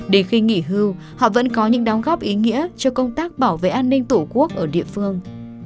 để khi nghỉ hưu họ vẫn có những đóng góp ý nghĩa cho công tác bảo vệ an ninh tổ quốc ở địa phương